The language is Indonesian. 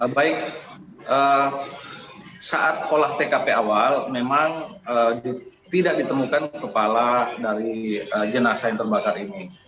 baik saat olah tkp awal memang tidak ditemukan kepala dari jenazah yang terbakar ini